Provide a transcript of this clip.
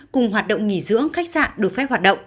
cùng hoạt động nghỉ dưỡng khách sạn được phép hoạt động